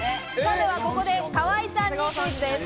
ではここで河井さんにクイズです。